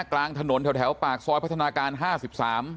กลางถนนแถวปากซอยพัฒนาการห้าสิบสาม